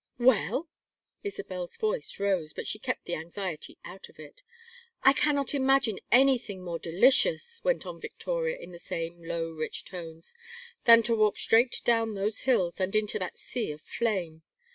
"Well?" Isabel's voice rose, but she kept the anxiety out of it. "I cannot imagine anything more delicious," went on Victoria, in the same low rich tones, "than to walk straight down those hills and into that sea of flame.